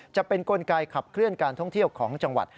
จะเป็นกลไกขับเคลื่อนการท่องเที่ยวของจังหวัด